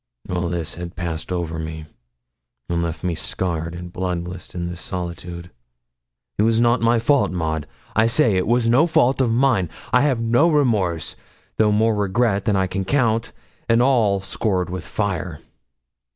All this had passed over me, and left me scarred and bloodless in this solitude. It was not my fault, Maud I say it was no fault of mine; I have no remorse, though more regrets than I can count, and all scored with fire.